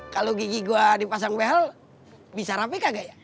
kalau gigi gue dipasang behal bisa rapih kagak ya